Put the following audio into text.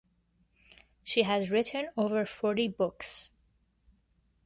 She has written over forty books.